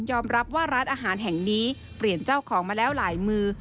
รับว่าร้านอาหารแห่งนี้เปลี่ยนเจ้าของมาแล้วหลายมือ